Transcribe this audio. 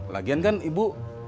lagian kan ibu